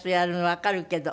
わかるけど。